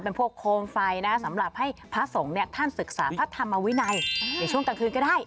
เป็นพวกโคมไฟนะสำหรับให้พระสงฆ์เนี่ยท่านศึกษาพระธรรมวินัยในช่วงกลางคืนก็ได้